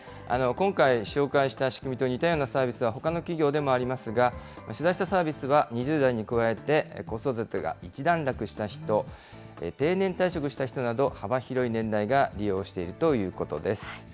今回、紹介した仕組みと似たようなサービスはほかの企業でもありますが、取材したサービスは、２０代に加えて、子育てが一段落した人、定年退職した人など、幅広い年代が利用しているということです。